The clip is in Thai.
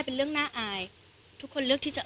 เป็นเรื่องน่าอายทุกคนเลือกที่จะ